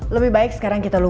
lebih baik sekarang kita lupa